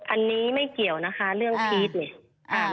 อันนี้ไม่เกี่ยวนะคะเรื่องพีชเนี่ย